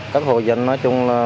các hội dân nói chung là